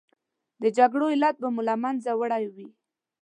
د جګړو علت به مو له منځه وړی وي.